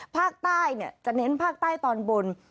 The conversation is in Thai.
ภาคใต้จะเน้นภาคใต้ตอนบน